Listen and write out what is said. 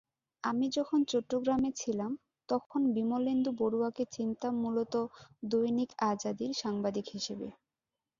আমি যখন চট্টগ্রামে ছিলাম, তখন বিমলেন্দু বড়ুয়াকে চিনতাম মূলত দৈনিক আজাদীর সাংবাদিক হিসেবে।